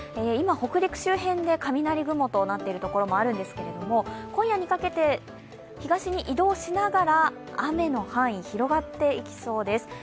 今、北陸周辺で雷雲となっている所もあるんですけど今夜にかけて、東に移動しながら雨の範囲、広がっていきそうです。